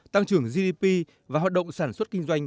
tăng trưởng gdp và hoạt động sản xuất kinh doanh